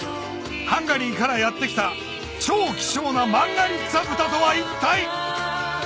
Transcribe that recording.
ハンガリーからやって来た超希少なマンガリッツァ豚とは一体？